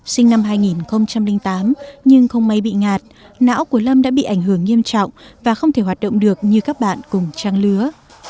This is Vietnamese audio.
sinh năm hai nghìn tám nhưng không may bị ngạt não của lâm đã bị ảnh hưởng nghiêm trọng và không thể hoạt động được như các bạn cùng trang lứa